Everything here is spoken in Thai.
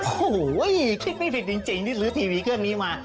โอ้โหคิดไม่ผิดจริงที่ซื้อทีวีเครื่องนี้มา